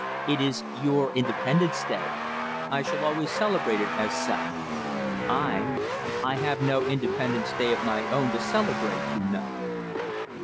It is your independence day. I shall always celebrate it as such I I have no independence day of my own to celebrate, you know."